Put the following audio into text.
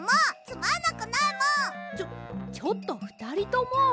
ちょちょっとふたりとも！